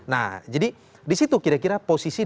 nah jadi di situ kira kira posisi